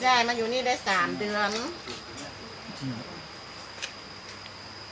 ได้มาอยู่นี่ได้สามเดือน